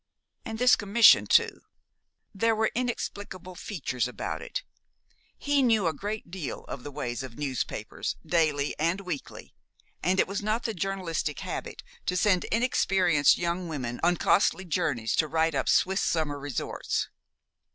And this commission too, there were inexplicable features about it. He knew a great deal of the ways of newspapers, daily and weekly, and it was not the journalistic habit to send inexperienced young women on costly journeys to write up Swiss summer resorts.